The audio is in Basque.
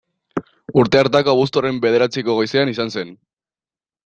Urte hartako abuztuaren bederatziko goizean izan zen.